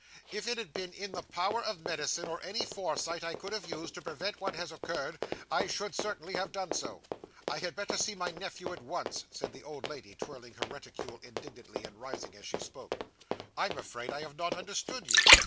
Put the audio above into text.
If it had been in the power of medicine, or any foresight I could have used, to prevent what has occurred, I should certainly have done so. I had better see my nephew at once,' said the old lady, twirling her reticule indignantly, and rising as she spoke. 'Stop a moment, ma'am,' said Bob Sawyer; 'I'm afraid I have not understood you.